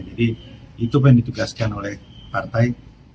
itu yang ditugaskan oleh partai